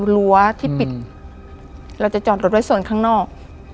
รั้วที่ปิดเราจะจอดรถไว้ส่วนข้างนอก